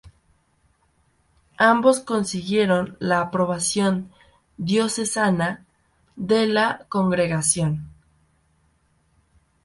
Ambos consiguieron la aprobación diocesana de la congregación.